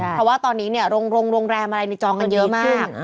เพราะว่าตอนนี้โรงแรมมีจองกันเยอะมาก